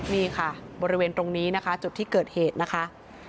นี่ค่ะบริเวณตรงนี้นะคะจุดที่เกิดเหตุนะคะ